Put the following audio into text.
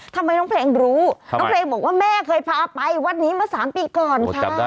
ทำไมน้องเพลงรู้น้องเพลงบอกว่าแม่เคยพาไปวัดนี้มา๓ปีก่อนค่ะ